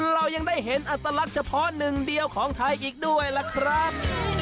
เรายังได้เห็นอัตลักษณ์เฉพาะหนึ่งเดียวของไทยอีกด้วยล่ะครับ